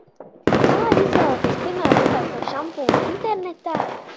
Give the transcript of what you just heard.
Kā izvēlēties piemērotāko šampūnu internetā?